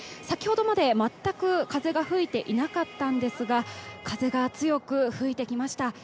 先ほどまで全く風が吹いていなかったんですが、風が強く吹いてきました。